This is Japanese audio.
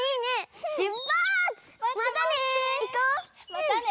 またね！